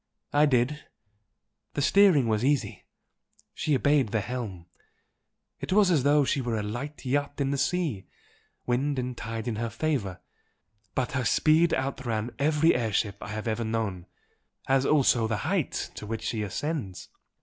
"I did. The steering was easy she obeyed the helm, it was as though she were a light yacht in a sea, wind and tide in her favour. But her speed outran every air ship I have ever known as also the height to which she ascends."